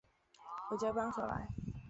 我叫帮手来